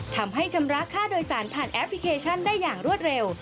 ชำระค่าโดยสารผ่านแอปพลิเคชันได้อย่างรวดเร็ว